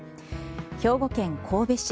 兵庫県神戸市。